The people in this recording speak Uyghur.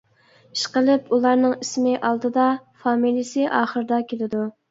ئىش قىلىپ ئۇلارنىڭ ئىسمى ئالدىدا، فامىلىسى ئاخىرىدا كېلىدۇ.